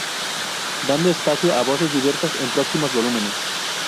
dando espacio a voces diversas, en próximos volúmenes